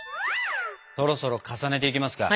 そろそろ重ねていきますか？